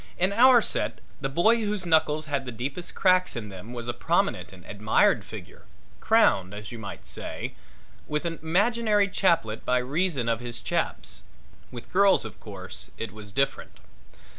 In our set the boy whose knuckles had the deepest cracks in them was a prominent and admired figure, crowned, as you might say, with an imaginary chaplet by reason of his chaps. With girls, of course, it was different.